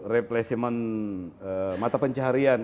replacement mata pencaharian